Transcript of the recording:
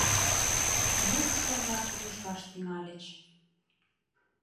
Мушшо-влак рӱжгаш тӱҥальыч: